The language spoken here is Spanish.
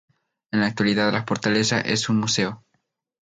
En la actualidad, la fortaleza es un museo.